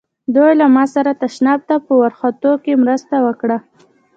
دوی له ما سره تشناب ته په ورختو کې مرسته وکړه.